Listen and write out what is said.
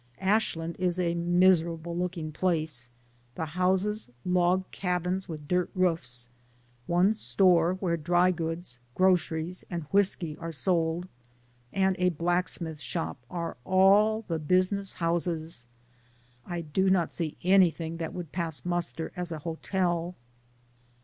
Ash land is a miserable looking place, the houses log cabins with dirt roofs. One store, where dry goods, groceries, and whiskey are sold, and a blacksmith shop are all the business houses. I do not see anything that would pass muster as a hotel.